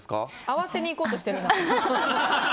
合わせにいこうとしてるな。